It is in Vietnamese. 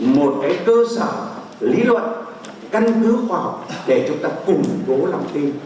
một cái cơ sở lý luận căn cứ khoa học để chúng ta củng cố lòng tin